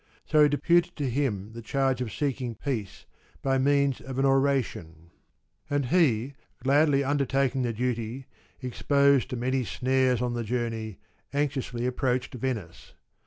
So he deputed to him the charge of seeking peace by means of an oration. And he, L 14.5 gladly undertaking the duty, exposed to many snares on the journey, anxiously approached Venice.